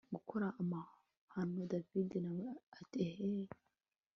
gukora amahano david nawe ati eheeee